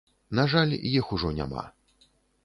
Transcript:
На жаль, іх ужо няма.